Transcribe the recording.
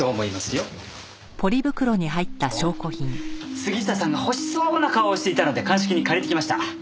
杉下さんが欲しそうな顔をしていたので鑑識に借りてきました。